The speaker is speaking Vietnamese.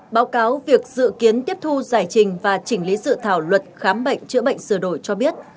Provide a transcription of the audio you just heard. báo cáo việc dự kiến tiếp thu giải trình và chỉnh lý dự thảo luật khám bệnh chữa bệnh sửa đổi cho biết